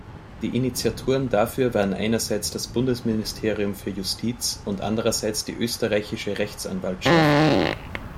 Die Initiatoren dafür waren einerseits das Bundesministerium für Justiz und andererseits die Österreichische Rechtsanwaltschaft.